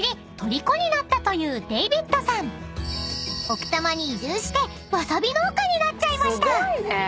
［奥多摩に移住してわさび農家になっちゃいました］